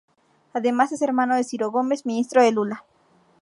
Además, es hermano de Ciro Gomes, ministro de Lula.